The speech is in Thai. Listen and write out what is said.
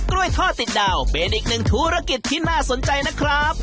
ทอดติดดาวเป็นอีกหนึ่งธุรกิจที่น่าสนใจนะครับ